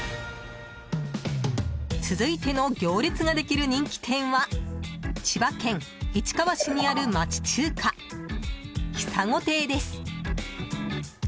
続いての行列ができる人気店は千葉県市川市にある町中華ひさご亭です。